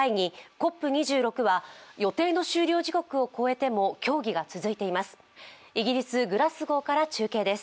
ＣＯＰ２６は予定の終了時刻を超えても協議が続いています。